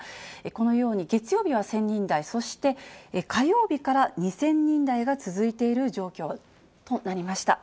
このように月曜日は１０００人台、そして火曜日から２０００人台が続いている状況となりました。